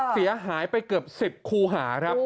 เสียหายไปเกือบ๑๐คูหาครับ